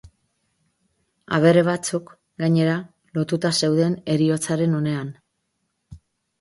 Abere batzuk, gainera, lotuta zeuden heriotzaren unean.